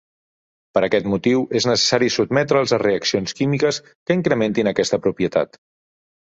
Per aquest motiu és necessari sotmetre'ls a reaccions químiques que incrementin aquesta propietat.